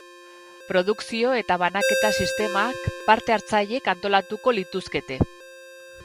Produkzio eta banaketa sistemak parte-hartzaileek antolatuko lituzkete.